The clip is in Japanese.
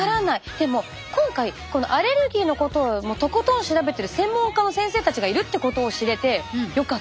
でも今回このアレルギーのことをもうとことん調べてる専門家の先生たちがいるってことを知れてよかった。